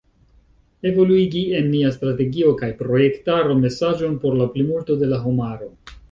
Evoluigi en nia strategio kaj projektaro mesaĝon por la plimulto de la homaro."